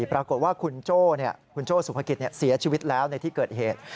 ปรากฏว่าคุณโจ้สุภกิจเสียชีวิตแล้วในที่เกิดเหตุ